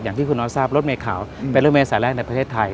อย่างที่คุณออสทราบรถเมฆขาวเป็นรถเมย์สายแรกในประเทศไทย